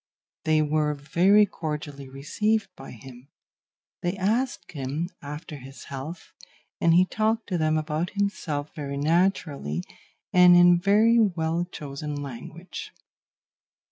They were very cordially received by him; they asked him after his health, and he talked to them about himself very naturally and in very well chosen language.